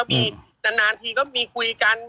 อย่างนี้ก็มีนานทีก็มีคุยกัน